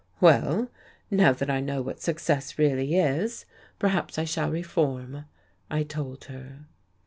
"Well, now that I know what success really is, perhaps I shall reform," I told her.